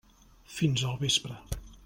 Fins al vespre.